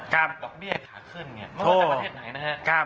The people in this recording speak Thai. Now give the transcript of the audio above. กลุ่มดอกเบี้ยขาขึ้นไม่ว่าในประเทศไหนนะครับ